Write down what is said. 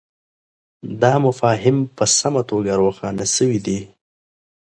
دا مفاهیم په سمه توګه روښانه سوي دي.